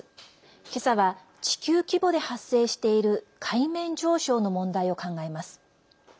今朝は地球規模で発生している海面上昇の問題を考えます。